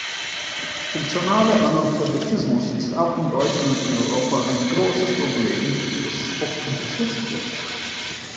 Funktionaler Analphabetismus ist auch in Deutschland und Europa ein großes Problem, das oft unterschätzt wird.